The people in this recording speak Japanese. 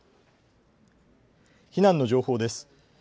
避難の情報です。